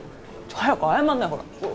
早く謝んなよほら。